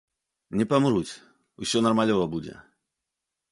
Не памруць, усё нармалёва будзе.